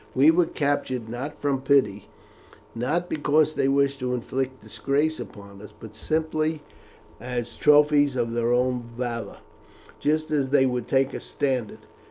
We were captured not from pity, not because they wished to inflict disgrace upon us, but simply as trophies of their own valour; just as they would take a standard.